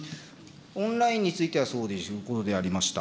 オンラインについてはそうでしょう、そうでありました。